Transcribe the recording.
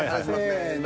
せの。